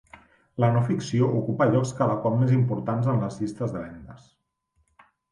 La no-ficció ocupa llocs cada cop més importants en les llistes de vendes.